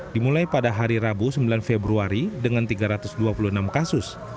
dimulai pada hari rabu sembilan februari dengan tiga ratus dua puluh enam kasus